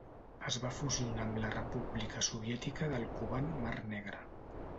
Es va fusionar amb la República Soviètica del Kuban-Mar Negra.